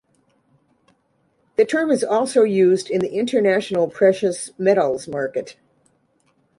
The term is also used in the international precious metals market.